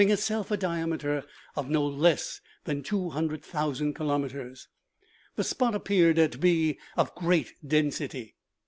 itself a diameter of no less than 200,000 kilometers. The spot appeared to be of great density.